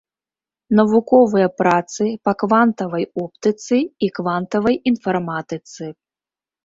Навуковыя працы па квантавай оптыцы і квантавай інфарматыцы.